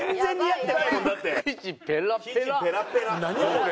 これ！